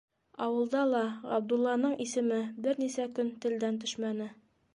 Ауылда ла Ғабдулланың исеме бер нисә көн телдән төшмәне.